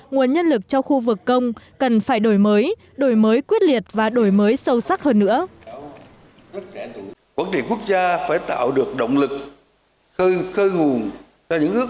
nguồn nhân lực cho khu vực công cần phải đổi mới đổi mới quyết liệt và đổi mới sâu sắc hơn nữa